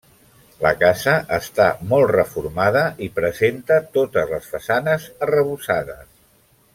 La casa està molt reformada i presenta totes les façanes arrebossades.